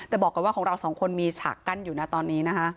แต่บอกก่อนว่าของเราสองคนมีฉากกั้นอยู่นะตอนนี้นะคะ